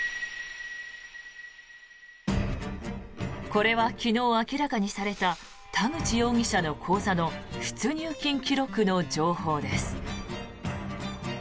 これは昨日明らかにされた田口容疑者の口座の出入金記録の情報です。